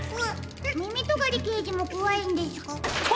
みみとがりけいじもこわいんですか？